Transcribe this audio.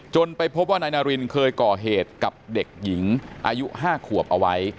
ไปพบว่านายนารินเคยก่อเหตุกับเด็กหญิงอายุ๕ขวบเอาไว้